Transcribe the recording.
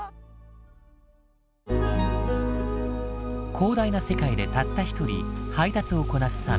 広大な世界でたった一人配達をこなすサム。